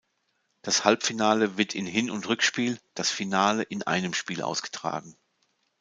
Das Halbfinale wird in Hin- und Rückspiel, das Finale in einem Spiel ausgetragen.